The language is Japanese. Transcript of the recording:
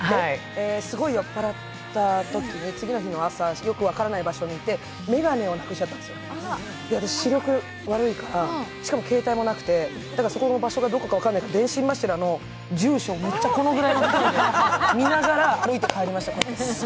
すごい酔っ払ったときに次の日の朝よく分からない場所にいて眼鏡をなくしちゃったんですよ、私、視力悪いから、しかも携帯もなくてそこの場所がどこか分からなくて電信柱の住所を、むっちゃこのくらいの距離で見ながら探しました。